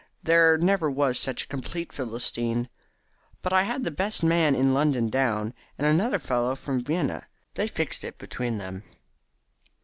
There never was such a complete Philistine. But I had the best man in London down, and another fellow from Vienna. They fixed it up between them."